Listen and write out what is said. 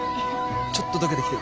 ちょっと溶けてきてる。